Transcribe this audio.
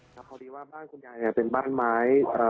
ครับเพราะดีว่าบ้านคุณยายเป็นบ้านไม้